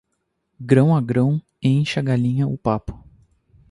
Grão a grão, enche a galinha o papo.